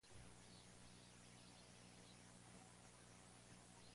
Hoy en día, solo se conserva la estatua en la postura de pie.